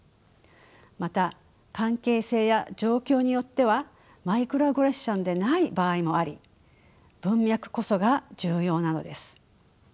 また関係性や状況によってはマイクロアグレッションでない場合もあり文脈こそが重要なのです。